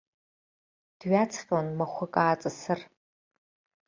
Дҩаҵҟьон махәык ааҵысыр.